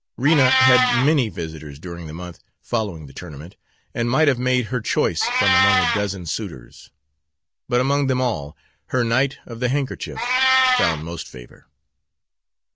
Rena had many visitors during the month following the tournament, and might have made her choice from among a dozen suitors; but among them all, her knight of the handkerchief found most favor.